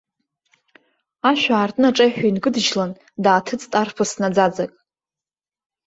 Ашә аартны аҿаҩҳәа инкыдыжьлан дааҭыҵт арԥыс наӡааӡак.